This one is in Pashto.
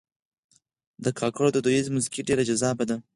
د کاکړ دودیزه موسیقي ډېر جذابه ده.